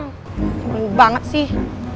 cuman lu banget sih